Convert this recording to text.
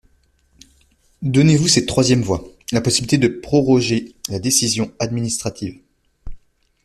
Donnez-vous cette troisième voie : la possibilité de proroger la décision administrative.